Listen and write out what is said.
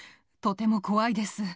とても怖いです。